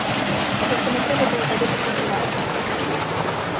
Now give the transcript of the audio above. Проста не трэба было тады так напівацца.